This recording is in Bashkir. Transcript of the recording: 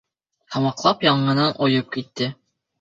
Һамаҡлап яңынан ойоп китте.